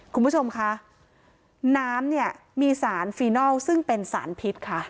คุณผู้ชมคะน้ำเนี่ยมีสารฟีนอลซึ่งเป็นสารพิษค่ะ